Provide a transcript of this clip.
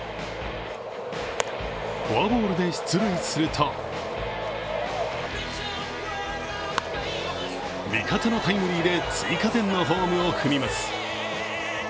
フォアボールで出塁すると味方のタイムリーで追加点のホームを踏みます。